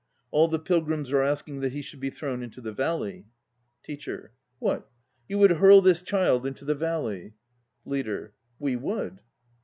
All the pilgrims are asking that he should be thrown into the valley. TEACHER. What, you would hurl this child into the valley? LEADER. We would.